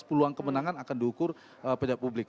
peluang kemenangan akan diukur pejabat publik